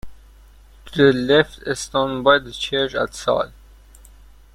To the left a stone by the church at Sal.